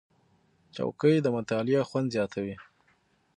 چوکۍ د مطالعې خوند زیاتوي.